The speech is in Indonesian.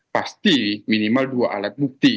pasti minimal dua alat bukti